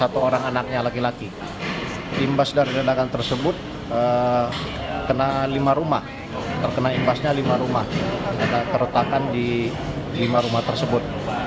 terkena invasinya lima rumah ada keretakan di lima rumah tersebut